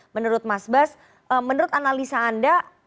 menurut mas bas menurut analisa anda